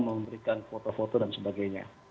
memberikan foto foto dan sebagainya